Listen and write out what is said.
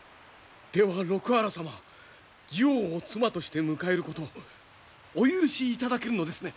では六波羅様妓王を妻として迎えることお許しいただけるのですね？